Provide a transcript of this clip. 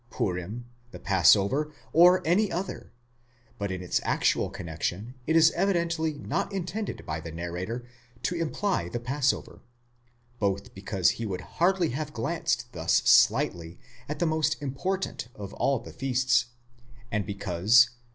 Purim,* the Passover, or any other ;® but in its actual connection it is evidently not intended by the narrator to imply the Passover, both because he would hardly have glanced thus slightly at the most important of all the feasts, and because, vi.